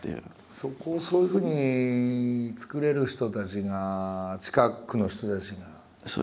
そこをそういうふうに作れる人たちが近くの人たちが。